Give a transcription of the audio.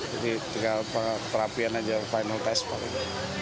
jadi tinggal perapian aja final test paling